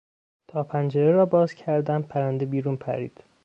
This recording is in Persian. تا پنجره را باز کردم پرنده بیرون پرید.